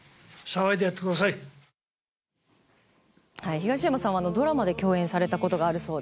東山さんはドラマで共演されたことがあるそうで。